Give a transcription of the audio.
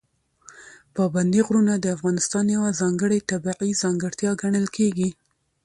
پابندي غرونه د افغانستان یوه ځانګړې طبیعي ځانګړتیا ګڼل کېږي.